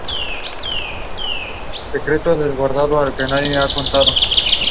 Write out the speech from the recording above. All averages and extremes are recorded at the Nottingham Weather Centre in Watnall.